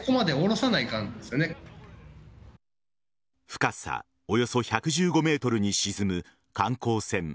深さおよそ１１５ｍに沈む観光船